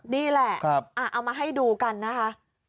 นี่แหละเอามาให้ดูกันนะคะ